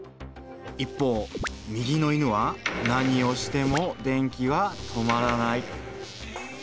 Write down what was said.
一方右の犬は何をしても電気は止まらない。